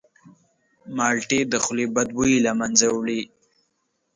مالټې د خولې بدبویي له منځه وړي.